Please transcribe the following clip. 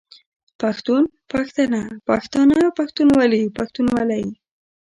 پښتون، پښتنه، پښتانه، پښتونولي، پښتونولۍ